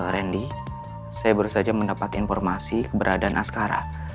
randy saya baru saja mendapat informasi keberadaan askara